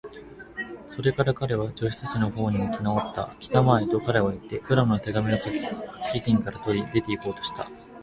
それから彼は、助手たちのほうに向きなおった。「きたまえ！」と、彼はいって、クラムの手紙をかけ金から取り、出ていこうとした。